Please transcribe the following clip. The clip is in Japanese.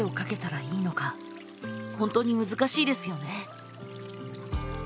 本当に難しいですよね。